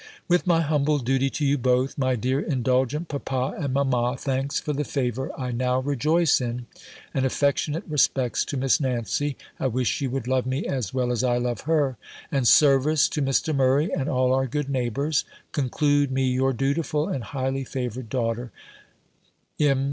With my humble duty to you both, my dear indulgent papa and mamma, thanks for the favour I now rejoice in, and affectionate respects to Miss Nancy (I wish she would love me as well as I love her), and service to Mr. Murray, and all our good neighbours, conclude me your dutiful, and highly favoured daughter, M.